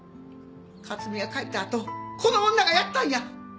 克巳が帰ったあとこの女がやったんやっ！